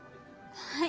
はい。